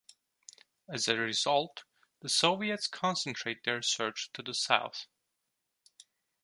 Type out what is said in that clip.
As a result, the Soviets concentrate their search to the south.